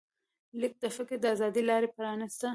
لیک د فکر د ازادۍ لاره پرانسته.